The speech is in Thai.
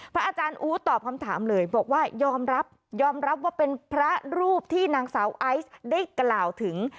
อาจารย์อู๊ดตอบคำถามเลยบอกว่ายอมรับยอมรับว่าเป็นพระรูปที่นางสาวไอซ์ได้กล่าวถึง